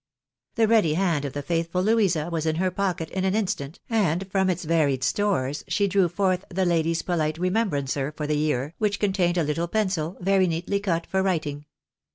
" The ready hand of the faithful Louisa was in her pocket in an instant, and from its varied stores she drew forth the " Lady's Polite Remembrancer" for the year, which contained a little pencU, very neatly cut for writing.